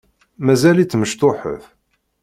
Mazal-itt mecṭuḥet.